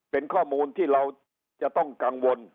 เป็นข้อมูลที่เราจะต้องกังวล